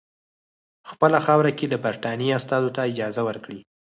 په خپله خاوره کې د برټانیې استازو ته اجازه ورکړي.